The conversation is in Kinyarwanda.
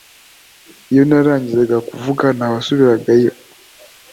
iyo narangizaga kuvuga, nta wasubizagayo